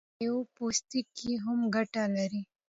د میوو پوستکي هم ګټه لري.